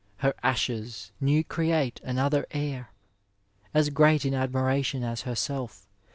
Her ashee new create another heir As great in admiration as herself.